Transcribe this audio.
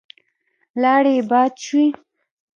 لاړې يې باد شوې.